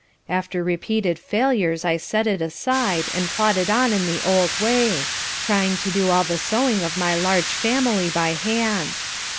After repeated failures I set it aside, and plodded on in the old way, trying to do all the sewing of my large family by hand.